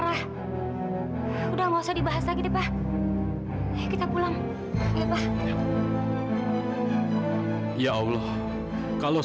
aku gak bisa hidup tanpa kamu mila